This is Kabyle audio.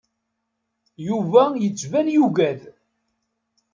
Yuba yettban yugad.